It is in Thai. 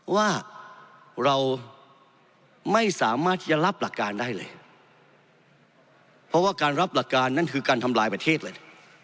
ว่าเราไม่สามารถที่จะรับหลักการได้เลยเพราะว่าการรับหลักการนั่นคือการทำลายประเทศเลย